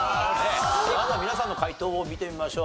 まずは皆さんの解答を見てみましょう。